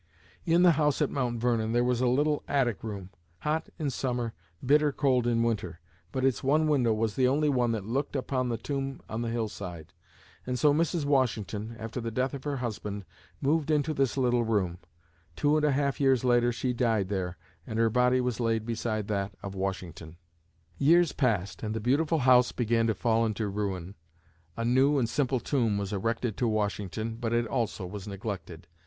In the house at Mount Vernon, there was a little attic room, hot in summer, bitter cold in winter. But its one window was the only one that looked upon the tomb on the hillside, and so Mrs. Washington, after the death of her husband, moved into this little room. Two and a half years later, she died there and her body was laid beside that of Washington. [Illustration: Washington's Tomb at Mount Vernon] Years passed and the beautiful house began to fall into ruin. A new and simple tomb was erected to Washington, but it also was neglected.